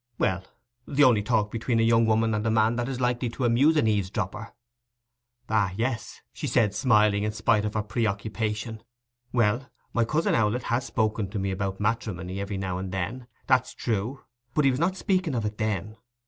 'Well—the only talk between a young woman and man that is likely to amuse an eavesdropper.' 'Ah yes,' she said, smiling in spite of her preoccupation. 'Well, my cousin Owlett has spoken to me about matrimony, every now and then, that's true; but he was not speaking of it then.